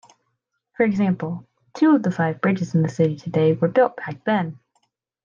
For example, two of the five bridges in the city today were built back then.